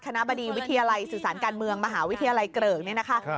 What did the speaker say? บดีวิทยาลัยสื่อสารการเมืองมหาวิทยาลัยเกริกเนี่ยนะคะ